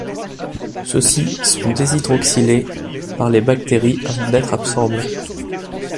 Ceux-ci sont déhydroxylés par les bactéries avant d'être absorbés.